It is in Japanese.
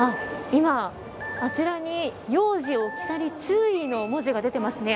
今、あちらに幼児置き去り注意の文字が出ていますね。